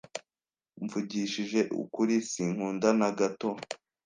Mvugishije ukuri, Sinkunda na gato